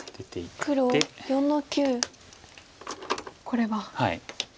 これは。